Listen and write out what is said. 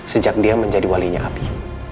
sejak dia menjadi walinya api